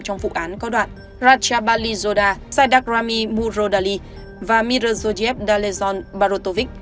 trong vụ án có đoạn ratchabalizoda saidakrami murodali và mirzojev dalezon barotovic